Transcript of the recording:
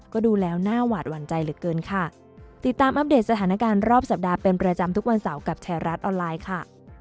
ก็ดูแล้วหน้าหวาดหวั่นใจเหลือเกินค่ะติดตามอัปเดตสถานการณ์รอบสัปดาห์เป็นประจำทุกวันเสาร์กับชายรัฐออนไลน์ค่ะ